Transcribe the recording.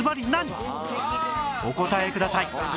お答えください